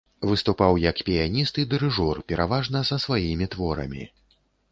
Выступаў як піяніст і дырыжор пераважна са сваімі творамі.